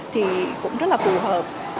thì cũng rất là phù hợp